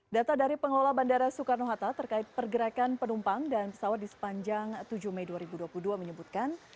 data dari pengelola bandara soekarno hatta terkait pergerakan penumpang dan pesawat di sepanjang tujuh mei dua ribu dua puluh dua menyebutkan